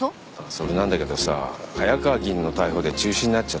それなんだけどさ早川議員の逮捕で中止になっちゃったんだよ。